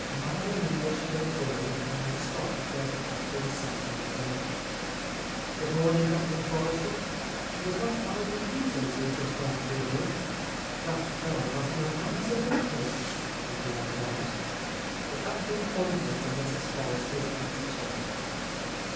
Niel emerged from the grove, and stopped where the Captain sat in the garden. "Good morning, Captain Forrester. Was that Ivy Peters who just went through here? That fel low hasn't the manners of a pigl" he blurted out. The Captain pointed to Mrs. Forrester's empty chair.